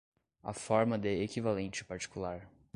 A forma de equivalente particular